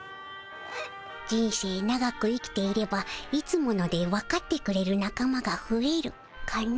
人生長く生きていれば「いつもの」でわかってくれる仲間がふえるかの？